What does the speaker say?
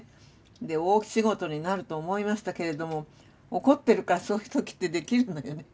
で大仕事になると思いましたけれども怒ってるからそういう時ってできるのよね。